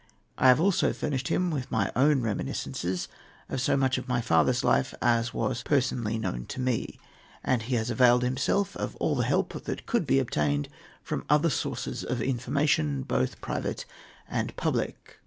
I have also furnished him with my own reminiscences of so much of my father's life as was personally known to me; and he has availed himself of all the help that could be obtained from other sources of information, both private and public.